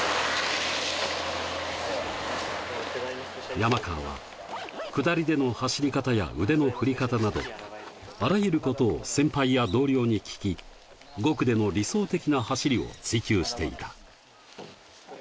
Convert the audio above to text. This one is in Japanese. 山川は、下りでの走り方や腕の振り方など、あらゆることを先輩や同僚に聞き、５区での理想的な走りを追求していた。